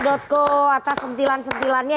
dotko atas sentilan sentilannya